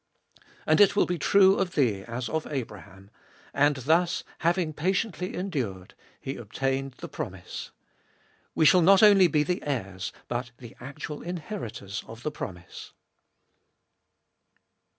And it will be true of thee as of Abraham : And thus, having patiently endured, he obtained the promise. We shall not only be the heirs, but the actual inheritors of the promise.